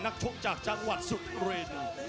นักชกจากจังหวัดสุขริน